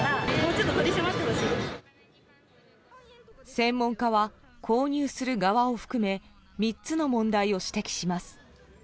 専門家は購入する側も含め３つの問題を指摘します。